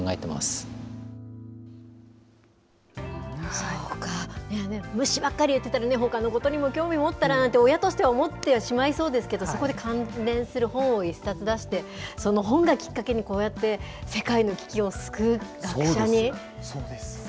そうか、虫ばっかりって、ほかのことにも興味を持ったらなんて、親としては思ってしまいそうですけど、そこで関連する本を１冊出して、その本がきっかけにこうやって、世界の危機を救う学者に。